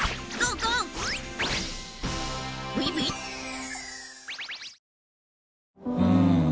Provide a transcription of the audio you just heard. うん。